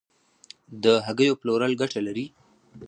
د هګیو پلورل ګټه لري؟